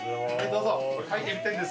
どうぞ。